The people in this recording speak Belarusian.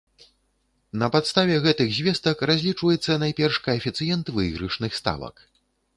На падставе гэтых звестак разлічваецца найперш каэфіцыент выйгрышных ставак.